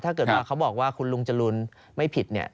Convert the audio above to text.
ถ้าเกิดว่าเขาบอกว่าคุณลุงจรูนไม่ผิดเนี่ย